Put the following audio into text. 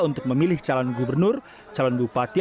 untuk memilih calon gubernur calon bupati